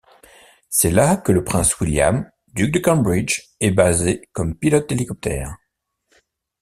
C'est là que le prince William, duc de Cambridge est basé comme pilote d'hélicoptère.